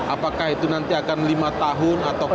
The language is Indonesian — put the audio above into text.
apakah itu nanti akan lima tahun